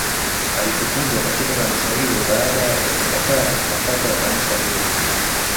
Alifukuzwa katika kanisa hilo baada ya kukataa matakwa ya kanisa hilo